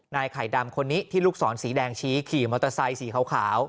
ไข่ดำคนนี้ที่ลูกศรสีแดงชี้ขี่มอเตอร์ไซค์สีขาว